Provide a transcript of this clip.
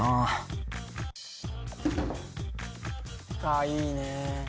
あいいね。